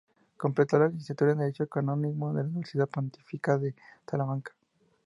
Completó la licenciatura en Derecho Canónico en la Universidad Pontificia de Salamanca.